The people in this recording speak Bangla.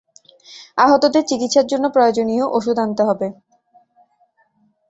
আহতদের চিকিৎসার জন্য প্রয়োজনীয় ওষুধ আনতে হবে।